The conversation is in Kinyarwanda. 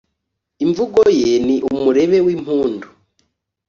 Imvugo ye ni umurebe w'impundu,